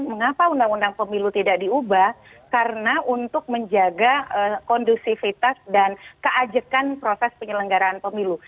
mengapa undang undang pemilu tidak diubah karena untuk menjaga kondusivitas dan keajekan proses penyelenggaraan pemilu